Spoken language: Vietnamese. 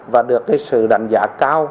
và được sự đánh giá cao